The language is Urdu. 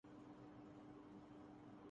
لیکن میں تھک گئی تھی